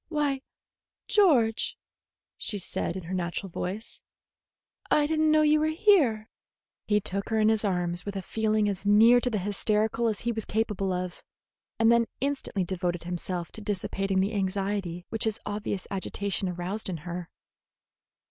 "Why, George," she said, in her natural voice; "I did n't know you were here." He took her in his arms with a feeling as near to the hysterical as he was capable of, and then instantly devoted himself to dissipating the anxiety which his obvious agitation aroused in her.